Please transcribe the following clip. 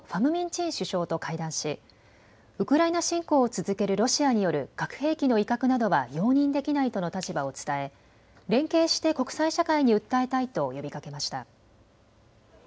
チン首相と会談しウクライナ侵攻を続けるロシアによる核兵器の威嚇などは容認できないとの立場を伝え連携して国際社会に訴えたいと呼びかけました。